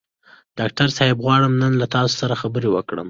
ډاکټر صاحب غواړم نن له تاسو سره خبرې وکړم.